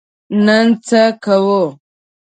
نن څه کوو؟